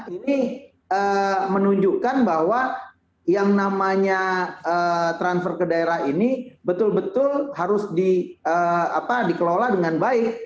ini menunjukkan bahwa yang namanya transfer ke daerah ini betul betul harus dikelola dengan baik